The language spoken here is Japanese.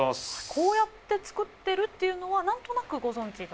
こうやって作ってるっていうのは何となくご存じだった？